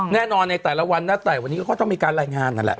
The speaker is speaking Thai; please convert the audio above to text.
แน่นอนในแต่ละวันนะแต่วันนี้ก็ต้องมีการรายงานนั่นแหละ